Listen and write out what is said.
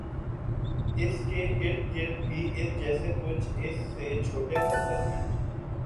اس کے ارد گرد بھی اس جیسے کچھ اس سے چھوٹے پتھر ہیں